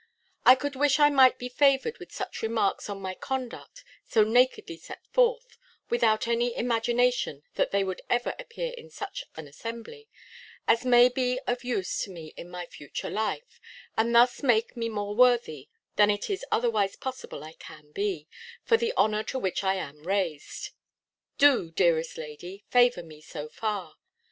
I could wish I might be favoured with such remarks on my conduct, so nakedly set forth (without any imagination that they would ever appear in such an assembly), as may be of use to me in my future life, and thus make me more worthy than it is otherwise possible I can be, of the honour to which I am raised. Do, dearest lady, favour me so far.